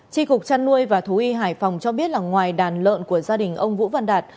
tri cục chăn nuôi và thú y hải phòng cho biết là ngoài đàn lợn của gia đình ông vũ văn đạt